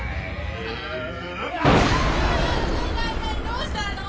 どうしたの？